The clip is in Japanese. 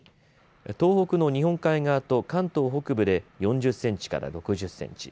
東北の日本海側と関東北部で４０センチから６０センチ